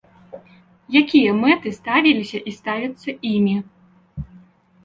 Якія мэты ставіліся і ставяцца імі?